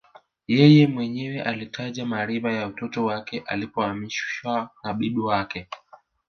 Yeye mwenyewe alitaja maarifa ya utoto wake alipohamasishwa na bibi yake